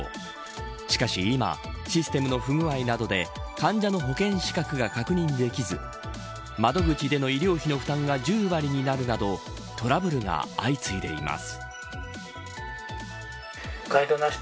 しかし今システムの不具合などで患者の保険資格が確認できず窓口での医療費の負担が１０割になるなどトラブルが相次いでいます。